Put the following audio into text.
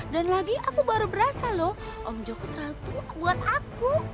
dan lagi aku baru berasa loh om jokstral tuh buat aku